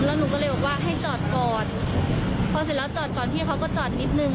แล้วหนูก็เลยบอกว่าให้จอดก่อนพอเสร็จแล้วจอดก่อนพี่เขาก็จอดนิดนึง